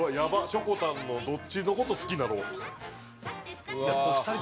しょこたんのどっちの事好きなの？